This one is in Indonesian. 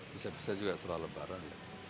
bisa bisa juga setelah lebaran